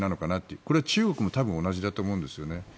これは中国も多分同じだと思うんですよね。